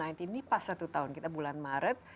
ini pas satu tahun kita bulan maret